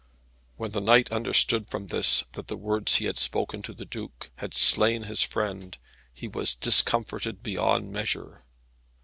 When the knight understood from this that the words he had spoken to the Duke had slain his friend, he was discomforted beyond measure.